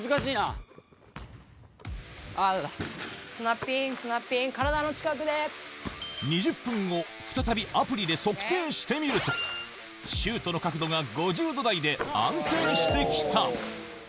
スナッピン、スナッピン、２０分後、再びアプリで測定してみると、シュートの角度が５０度台で安定してきた。